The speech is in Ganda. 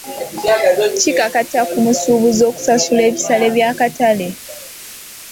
Kikakata ku musuubuzi okusasula ebisale by'akatale.